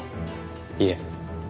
いえ。